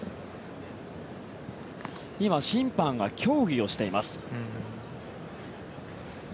今、審判が協議をしています。